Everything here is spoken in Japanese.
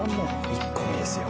１個にですよ。